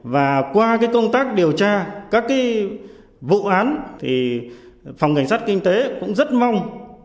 và qua công tác điều tra các vụ án thì phòng cảnh sát kinh tế cũng rất mong